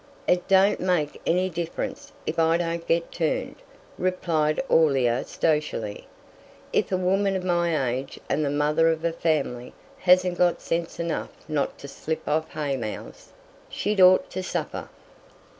"It don't make any difference if I don't get turned," replied Aurelia stoically. "If a woman of my age and the mother of a family hasn't got sense enough not to slip off haymows, she'd ought to suffer.